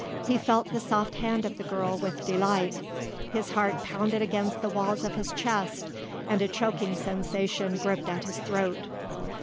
He felt the soft hand of the girl with delight; his heart pounded against the walls of his chest and a choking sensation gripped at his throat.